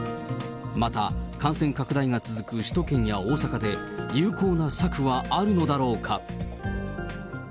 また、感染拡大が続く首都圏や大阪で、有効な策はあるのだろうか。